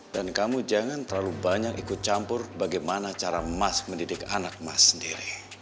dan kamu jangan terlalu banyak ikut campur bagaimana cara mas mendidik anak mas sendiri